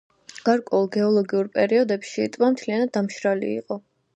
გარკვეულ გეოლოგიურ პერიოდებში ტბა მთლიანად დამშრალი იყო.